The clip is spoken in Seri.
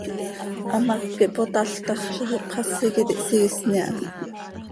Hamác quih potál ta x, ziix ipxasi quih iti hsiisni aha.